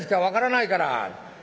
分からないから」。